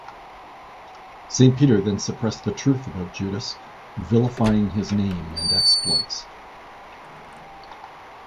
Saint Peter then suppressed the truth about Judas, vilifying his name and exploits.